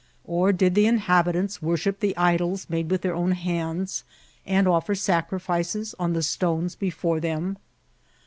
or did the inhabitants worship the idols made with their own hands, and offer sacrifices on the stones be fore them